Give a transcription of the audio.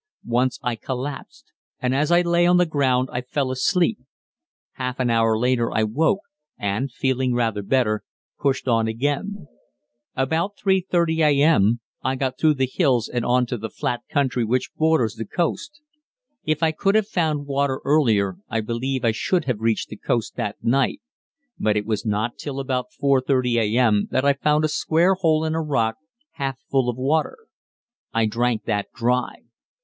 Once I collapsed, and as I lay on the ground I fell asleep. Half an hour later I woke and, feeling rather better, pushed on again. About 3.30 a.m. I got through the hills and on to the flat country which borders the coast. If I could have found water earlier I believe I should have reached the coast that night, but it was not till about 4.30 a.m. that I found a square hole in a rock half full of water. I drank that dry.